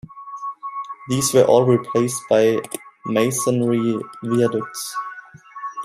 These were all replaced by masonry viaducts.